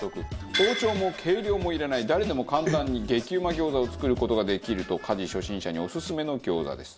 包丁も計量もいらない誰でも簡単に激うま餃子を作る事ができると家事初心者にオススメの餃子です。